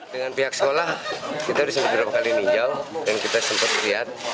dengan pihak sekolah kita sudah beberapa kali ninjau dan kita sempat lihat